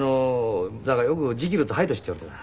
だからよく「ジキルとハイド氏」って呼んでた。